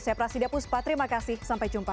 saya prasidapus pak terima kasih sampai jumpa